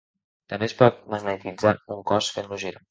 També es pot magnetitzar un cos fent-lo girar.